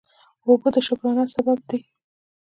اوبه د شکرانه سبب دي.